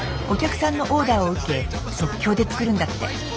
お客さんのオーダーを受け即興で作るんだって。